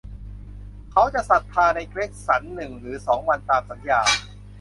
เขาจะศรัทธาในเกรกสันหนึ่งหรือสองวันตามสัญญา